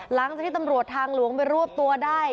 หลังจากที่ตำรวจทางหลวงไปรวบตัวได้